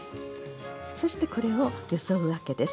そしてこれをよそうわけです。